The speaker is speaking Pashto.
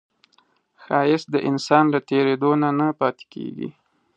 ښایست د انسان له تېرېدو نه نه پاتې کېږي